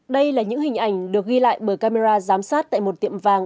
đây là những hình ảnh được ghi lại bởi camera giám sát tại một tiệm vàng